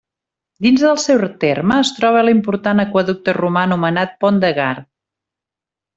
Dins del seu terme es troba l'important aqüeducte romà anomenat Pont del Gard.